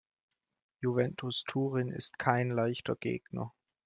Juventus Turin ist kein leichter Gegner.